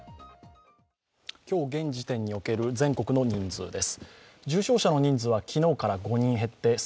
今日現時点における全国の人数です。